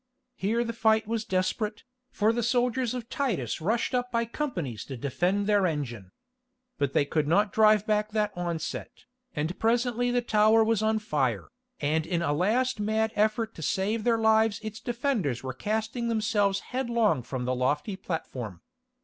Here the fight was desperate, for the soldiers of Titus rushed up by companies to defend their engine. But they could not drive back that onset, and presently the tower was on fire, and in a last mad effort to save their lives its defenders were casting themselves headlong from the lofty platform.